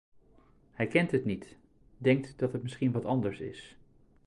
Hij kent het niet, denkt dat het misschien wat anders is.